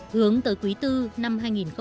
hướng tới quý iv năm hai nghìn một mươi sáu